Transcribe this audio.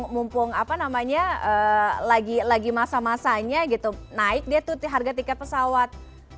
mumpung lagi masa masanya gitu naik dia harga tiket pesawat